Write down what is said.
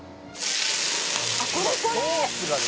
あっこれこれ！